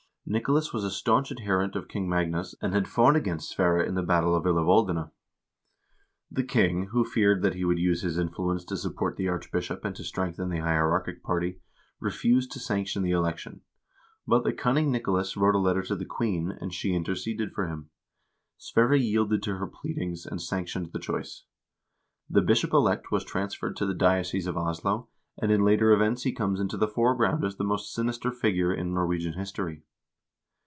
Nicolas was a staunch adherent of King Magnus, and had fought against Sverre in the battle of Ilevoldene. The king, who feared that he would use his influence to support the arch bishop and to strengthen the hierarchic party, refused to sanction the election. But the cunning Nicolas wrote a letter to the queen, and she interceded for him. Sverre yielded to her pleadings, and sanctioned the choice. The bishop elect was transferred to the diocese of Oslo, and in later events he comes into the foreground as the most sinister figure in Norwegian history.